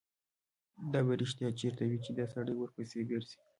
دا به رښتیا چېرته وي چې دا سړی ورپسې ګرځي.